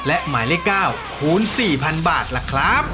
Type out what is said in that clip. และหมายเลข๙คูณ๔๐๐๐บาทล่ะครับ